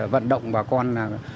vận động bà con